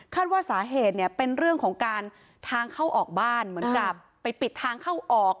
ว่าสาเหตุเนี่ยเป็นเรื่องของการทางเข้าออกบ้านเหมือนกับไปปิดทางเข้าออก